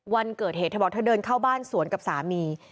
วันเกิดเหตุเธอบอกเธอเดินเข้าบ้านสวนกับสามี